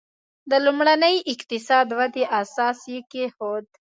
د لومړنۍ اقتصادي ودې اساس یې کېښود.